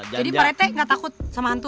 jadi pak rete gak takut sama hantu